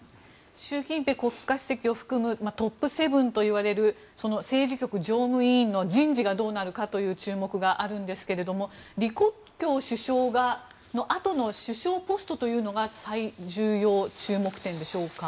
習近平国家主席を含むトップ７といわれるその政治局常務委員の人事がどうなるかという注目があるんですが李克強首相のあとの首相ポストというのが最重要注目点でしょうか。